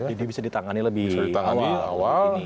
jadi bisa ditangani lebih awal